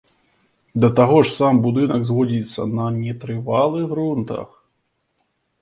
Да таго ж, сам будынак зводзіцца на нетрывалых грунтах.